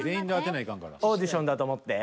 オーディションだと思って。